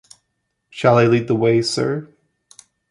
Shall I lead the way, sir?